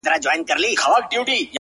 ستا په سترگو کي دي يو عالم خبرې;